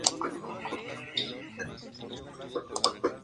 Se desconoce, por tanto, la lengua que se esconde detrás de esta escritura.